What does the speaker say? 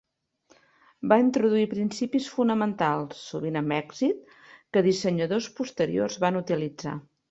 Va introduir principis fonamentals, sovint amb èxit, que dissenyadors posteriors van utilitzar.